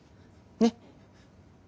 ねっ？